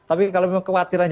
apakah anda mengatakan